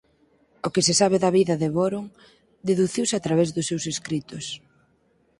O que se sabe da vida de Boron deduciuse a través dos seus escritos.